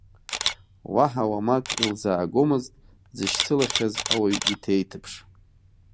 Уаҳа уамак илзаагомызт дзышьцылахьаз ауаҩ иҭеиҭԥш.